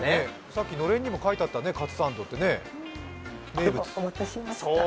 さっきのれんにも書いてったね、カツサンドって。